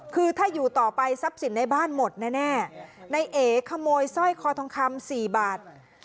คือถ้าอยู่ต่อไปทรัพย์สินในบ้านหมดแน่นายเอ๋ขโมยสร้อยคอทองคำสี่บาท